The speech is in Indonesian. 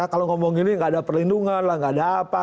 kalau ngomong gini nggak ada perlindungan lah nggak ada apa